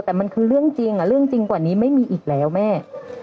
แต่มันคือเรื่องจริงเรื่องจริงกว่านี้ไม่มีอีกแล้วแม่